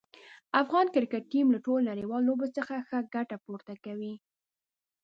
افغان کرکټ ټیم له ټولو نړیوالو لوبو څخه ښه ګټه پورته کوي.